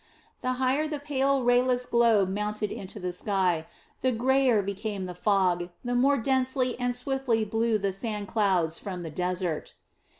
The higher the pale rayless globe mounted into the sky, the greyer became the fog, the more densely and swiftly blew the sand clouds from the desert.